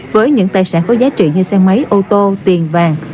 với những tài sản có giá trị như xe máy ô tô tiền vàng